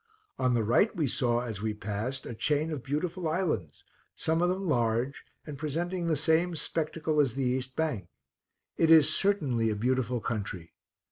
On the right we saw, as we passed, a chain of beautiful islands, some of them large and presenting the same spectacle as the east bank. It is certainly a beautiful country.